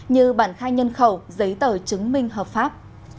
như bản khai nhân khẩu giấy tờ chứng minh hợp pháp